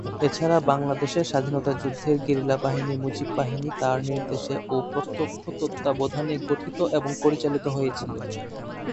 এছাড়া, বাংলাদেশের স্বাধীনতা যুদ্ধের গেরিলা বাহিনী মুজিব বাহিনী তার নির্দেশে ও প্রত্যক্ষ তত্ত্বাবধানে গঠিত এবং পরিচালিত হয়েছিল।